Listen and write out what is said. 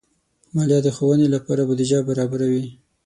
مالیه د ښوونې لپاره بودیجه برابروي.